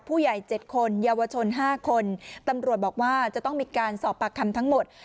ผู้ใหญ่๗คนเยาวชน๕คนตำรวจบอกว่าจะต้องมีการสอบปากคำทั้งหมด